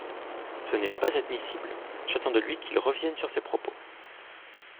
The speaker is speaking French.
Ce n’est pas admissible ; j’attends de lui qu’il revienne sur ses propos.